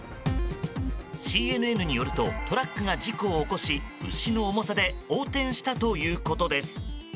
ＣＮＮによるとトラックが事故を起こし牛の重さで横転したということです。